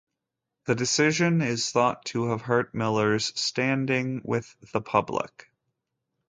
This decision is thought to have hurt Miller's standing with the public.